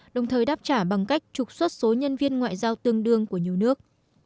đồng thời đáp trả bằng cách trục xuất số nhân viên ngoại giao tương đương của nhiều nước